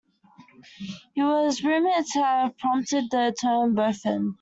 He was rumoured to have prompted the term boffin.